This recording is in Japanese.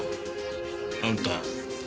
あんた。